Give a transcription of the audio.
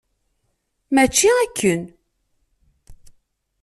Mačči akken.